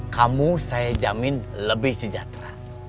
kamu saya jamin lebih sejahtera